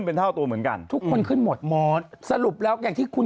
เป็นเท่าตัวเหมือนกันทุกคนขึ้นหมดมอสสรุปแล้วอย่างที่คุณ